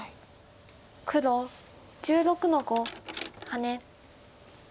黒１６の五ハネ。